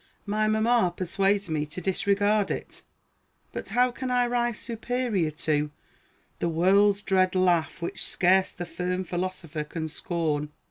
My mamma persuades me to disregard it; but how can I rise superior to "the world's dread laugh, which scarce the firm philosopher can scorn"?